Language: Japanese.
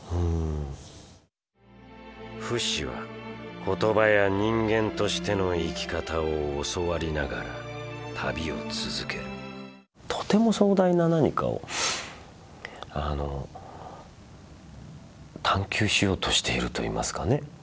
フシは言葉や人間としての生き方を教わりながら旅を続けるとても壮大な何かを探究しようとしていると言いますかね